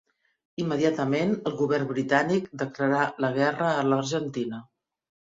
Immediatament el govern britànic declarà la guerra a l'Argentina.